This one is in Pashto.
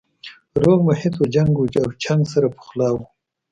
روغ محیط و جنګ او چنګ سره پخلا وو